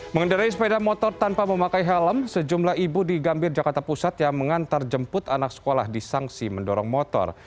mengendarai sepeda motor tanpa memakai helm sejumlah ibu di gambir jakarta pusat yang mengantar jemput anak sekolah disangsi mendorong motor